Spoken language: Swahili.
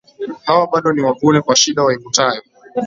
Hawa, bado ni wavune, kwa shida waikutayo